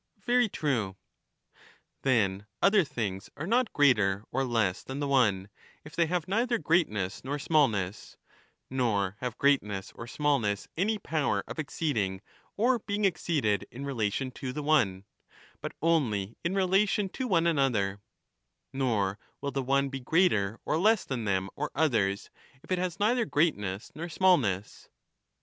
Very true. Then other things are not greater or less than the one, if they have neither greatness nor smallness ; nor have great ness or smallness any power of exceeding or being exceeded in relation to the one, but only in relation to one another ; nor will the one be greater or less than them or others, if it has neither greatness nor smallness.